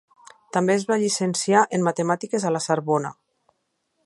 També es va llicenciar en matemàtiques a la Sorbona.